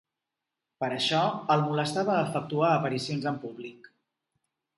Per això, el molestava efectuar aparicions en públic.